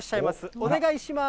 お願いします。